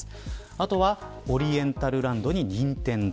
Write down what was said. あとはオリエンタルランドに任天堂。